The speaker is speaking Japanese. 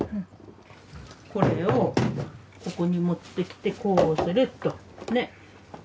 これをここに持ってきてこうすると。